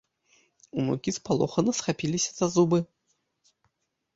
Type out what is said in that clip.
Унукі спалохана схапіліся за зубы.